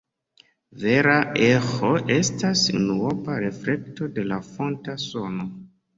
Vera eĥo estas unuopa reflekto de la fonta sono.